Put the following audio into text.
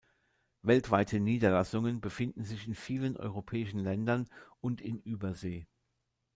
Weltweite Niederlassungen befinden sich in vielen europäischen Ländern und in Übersee.